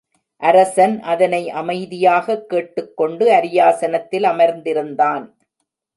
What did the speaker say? அரசன் அதனை அமைதியாகக் கேட்டுக் கொண்டு அரியாசனத்தில் அமர்ந்திருந்தான்.